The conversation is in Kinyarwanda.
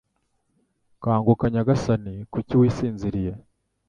Kanguka Nyagasani kuki wisinziriye?